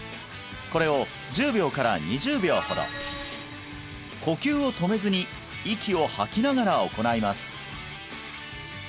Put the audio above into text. これを１０秒から２０秒ほど呼吸を止めずに息を吐きながら行います